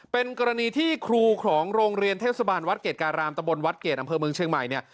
เป็นกรณีที่ครูของโรงเรียนเทศบาลวัดเกรดการามตะบนวัดเกรดอำเภอเมืองเชียงใหม่เนี่ย